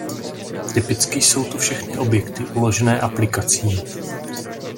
Typicky jsou to všechny objekty uložené aplikací.